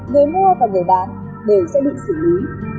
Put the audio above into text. người mua và người bán đều sẽ bị xử lý